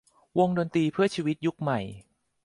วงดนตรีเพื่อชีวิตยุคใหม่